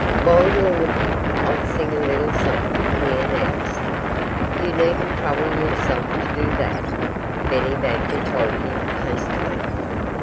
"While you're looking, I'll sing a little song," he announced. "You needn't trouble yourself to do that," Benny Badger told him hastily.